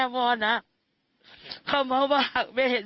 ต้องมีพัทรรศาลวิสานยุค